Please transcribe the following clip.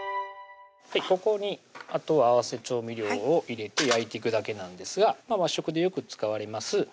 ここにあとは合わせ調味料を入れて焼いていくだけなんですが和食でよく使われます